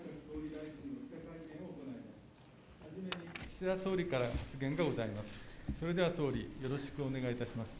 岸田総理から発言がございます。